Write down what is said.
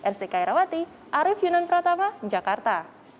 r s t k airawati arief yunan pratama jakarta